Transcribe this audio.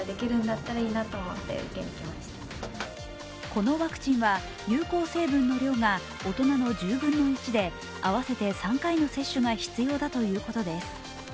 このワクチンは有効成分の量が大人の１０分の１で合わせて３回の接種が必要だということです。